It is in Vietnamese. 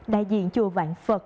đại diện chùa vạn phật